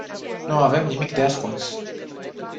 Nu avem nimic de ascuns.